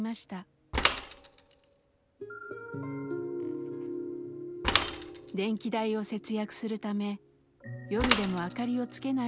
電気代を節約するため夜でも明かりをつけないようにして暮らしています。